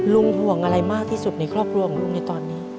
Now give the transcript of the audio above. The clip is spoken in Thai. ห่วงอะไรมากที่สุดในครอบครัวของลุงในตอนนี้